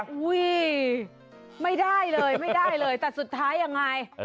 อะอุวี้ยไม่ได้เลยแต่สุดท้ายยังไง